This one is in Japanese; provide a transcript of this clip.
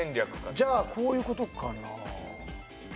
じゃあこういう事かな？